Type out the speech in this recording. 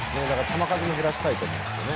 球数を減らしたいと思います。